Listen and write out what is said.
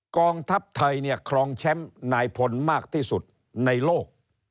กองทัพไทยเนี่ยครองแชมป์นายพลมากที่สุดในโลก